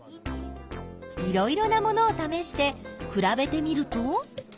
いろいろなものをためしてくらべてみると？